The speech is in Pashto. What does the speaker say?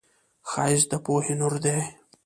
ښایست د پوهې نور دی